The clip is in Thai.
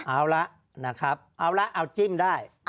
เอาละนะครับเอาละเอาจิ้มได้